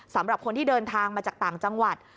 สำหรับคนที่เดินทางมาจากต่างจังหวัด